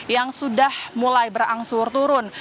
yang sudah mulai berangsur turun